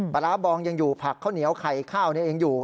ปลาร้าบองยังอยู่ผักข้าวเหนียวไข่ข้าวเองอยู่